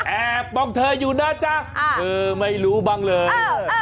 แอบบอกเธออยู่นะจ๊ะเธอไม่รู้บ้างเลย